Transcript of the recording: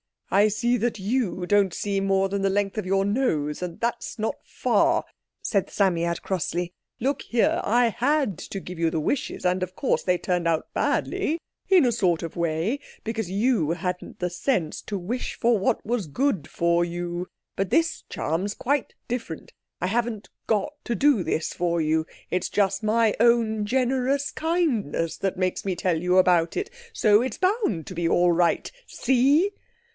"I see that you don't see more than the length of your nose, and that's not far," said the Psammead crossly. "Look here, I had to give you the wishes, and of course they turned out badly, in a sort of way, because you hadn't the sense to wish for what was good for you. But this charm's quite different. I haven't got to do this for you, it's just my own generous kindness that makes me tell you about it. So it's bound to be all right. See?"